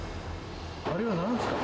あれはなんですか？